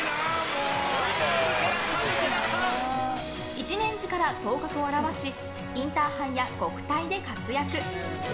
１年時から頭角を現しインターハイや国体で活躍！